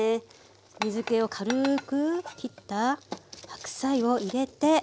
水けを軽くきった白菜を入れて。